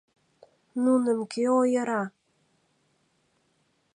Нуным кӧ ойыра!